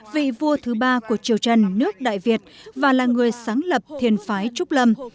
vị vua thứ ba của triều trần nước đại việt và là người sáng lập thiền phái trúc lâm